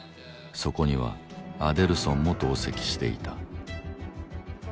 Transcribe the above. そこにはアデルソンも同席していた